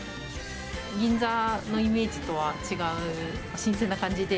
銀座のイメージとは違う、新鮮な感じで。